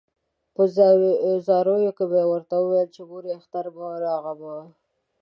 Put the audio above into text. په زاریو کې به یې ورته ویل مورې اختر مه راغموه.